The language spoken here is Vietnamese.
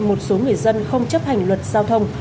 một số người dân không chấp hành luật giao thông